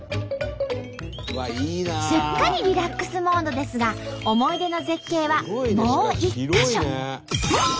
すっかりリラックスモードですが思い出の絶景はもう一か所。